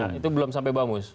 nah itu belum sampai bamus